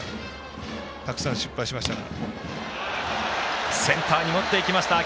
たくさん失敗しましたから。